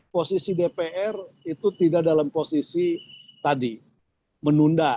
posisi dpr itu tidak dalam posisi tadi menunda